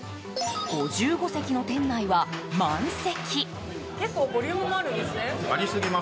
５５席の店内は満席。